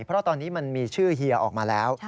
เพราะตอนนี้มันมีชื่อเฮียออกมาแล้ว